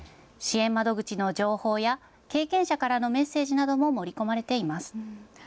支援窓口の情報や経験者からのメッセージなども盛り込まれています。